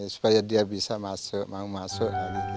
supaya dia bisa masuk mau masuk